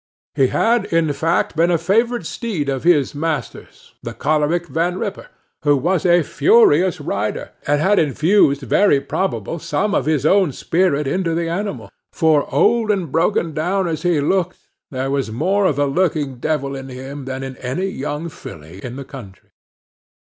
He had, in fact, been a favorite steed of his master's, the choleric Van Ripper, who was a furious rider, and had infused, very probably, some of his own spirit into the animal; for, old and broken down as he looked, there was more of the lurking devil in him than in any young filly in the country.